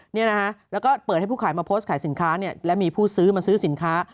เนี่ยนะฮะแล้วก็เปิดให้ผู้ขายมาโพสต์ขายสินค้าเนี่ยและมีผู้ซื้อมาซื้อสินค้า